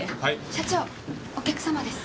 社長お客様です。